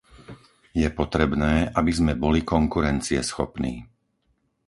Je potrebné, aby sme boli konkurencieschopní.